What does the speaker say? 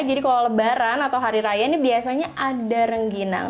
jadi kalau lebaran atau hari raya ini biasanya ada rengginang